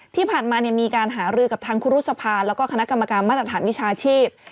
ที่ผ่านมามีการหารือกับทางครูรุษภาแล้วก็คณะกรรมการมาตรฐานวิชาชีพ